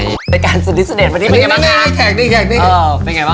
ในการสนิทสุดเด็ดวันนี้เป็นไงบ้างนะ